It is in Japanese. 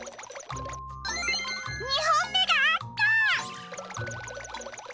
２ほんめがあった！